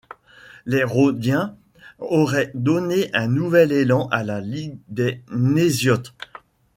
Les Rhodiens auraient donné un nouvel élan à la Ligue des Nésiotes.